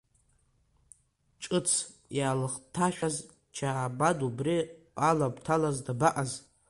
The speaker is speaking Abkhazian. Ҿыц иаалхҭашәаз Чаабан убри аламҭалаз дабаҟаз?